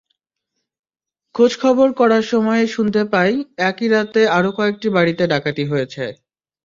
খোঁজখবর করার সময়ই শুনতে পাই, একই রাতে আরও কয়েকটি বাড়িতে ডাকাতি হয়েছে।